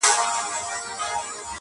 د ژوندیو په کورونو کي به غم وي-